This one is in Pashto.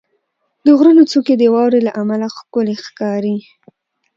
• د غرونو څوکې د واورې له امله ښکلي ښکاري.